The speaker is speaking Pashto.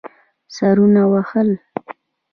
سرونه وهل.